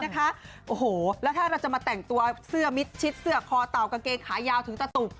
โอ้โหแล้วถ้าเราจะมาแต่งตัวเสื้อมิดชิดเสื้อคอเต่ากางเกงขายาวถึงตะตุก